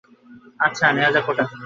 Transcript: আচ্ছা, নেয়া যাক ওটা।